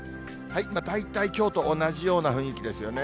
大体きょうと同じような雰囲気ですよね。